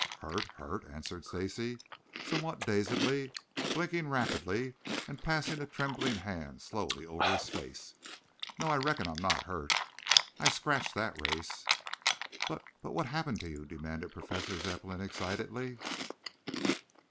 "Hurt? Hurt?" answered Stacy somewhat dazedly, blinking rapidly and passing a trembling hand slowly over his face. "No, I reckon I'm not hurt. I scratched that race." "But, but, what happened to you?" demanded Professor Zepplin excitedly.